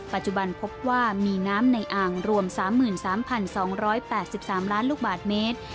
ปัจจุบันพบว่ามีน้ำในอ่างรวม๓๓๒๘๓ล้านลูกบาทเมตร